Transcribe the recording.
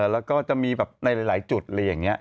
แล้วก็จะมีแบบในหลายจุดอะไรอย่างนี้